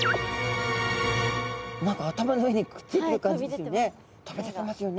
何か頭の上にくっついてる感じですよね。